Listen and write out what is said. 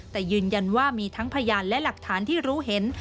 แต่ยืนยันว่ามีทั้งพยานและหลักฐานที่รู้เห็น